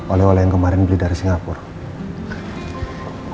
oleh oleh yang kemarin beli dari singapura